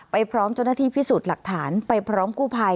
ไปพร้อมกล้อง